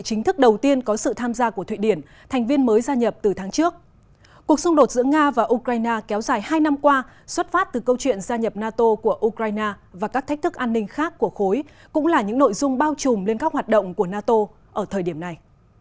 cuộc xung đột giữa nga và ukraine kéo dài hai năm qua xuất phát từ câu chuyện gia nhập nato của ukraine và các thách thức an ninh khác của khối cũng là những nội dung bao trùm lên các hoạt động của nato ở thời điểm này